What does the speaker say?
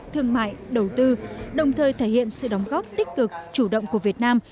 thương mại đầu tư đồng thời thể hiện sự đóng góp tích cực chủ động của việt nam